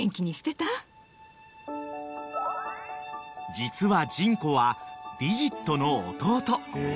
［実はジンコはディジットの弟］